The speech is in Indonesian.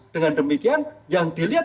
dengan demikian yang dilihat